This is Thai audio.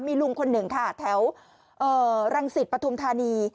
มีลุงคนหนึ่งค่ะแถวรังสิตปฐุมธานี